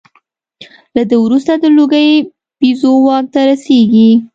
له ده وروسته د لوګي بیزو واک ته رسېږي.